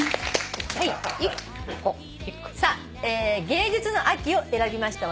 「芸術の秋」を選びました